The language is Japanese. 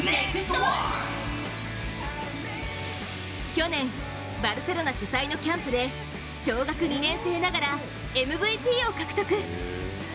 去年、バルセロナ主催のキャンプで小学２年生ながらＭＶＰを獲得。